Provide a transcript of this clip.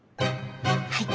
はい。